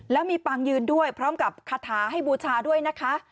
แล้วมีปางยืนด้วยพร้อมกับคาถาให้บูชาด้วยนะคะ